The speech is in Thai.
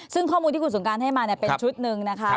ซึ่งข้อมูลที่คุณสงการให้มาเป็นชุดหนึ่งนะคะ